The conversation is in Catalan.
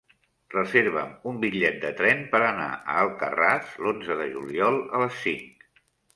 Reserva'm un bitllet de tren per anar a Alcarràs l'onze de juliol a les cinc.